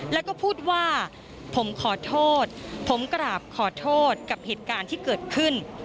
แล้วก็พูดว่าผมขอโทษผมกราบขอโทษกับเหตุการณ์ที่เกิดขึ้น